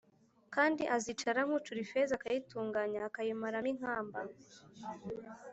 Kandi azicara nk’ucura ifeza akayitunganya akayimaramo inkamba